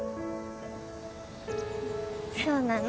そうなの？